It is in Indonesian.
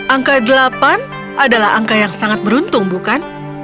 angka delapan adalah angka yang sangat beruntung bukan